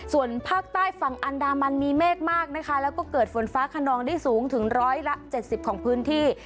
ส่วนภาคใต้ฝั่งอันดามันมีเมฆมากนะคะแล้วก็เกิดฝนฟ้าขนองได้สูงถึงร้อยละ๗๐ของพื้นที่